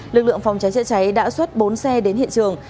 lực lượng phòng cháy chữa cháy đã xuất bốn xe đến hiện trường